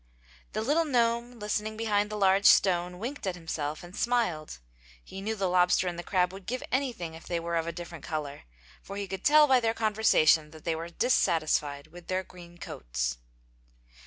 The little gnome listening behind the large stone winked at himself and smiled. He knew the lobster and the crab would give anything if they were of a different color, for he could tell by their conversation they were dissatisfied with their green coats.